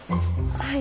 はい。